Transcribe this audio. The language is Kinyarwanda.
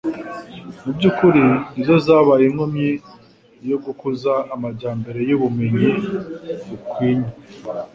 mu by'ukuri ni zo zabaye inkomyi yo gukuza amajyambere y'ubumenyi bukwinye.